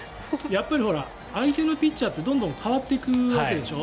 やっぱり相手のピッチャーってどんどん変わっていくわけでしょ。